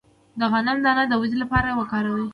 د غنم دانه د ودې لپاره وکاروئ